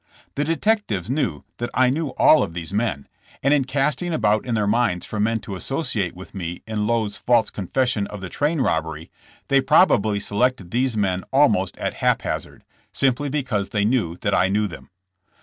The detectives knew that I knew all of these THE TRIAI, FOR TRAIN ROBBERY. 187 men, and in casting about in their minds for men to associate with me in Lowe's false confession of the train robbery, they probably selected these men al most at haphazard, simply because they knew that I knew them.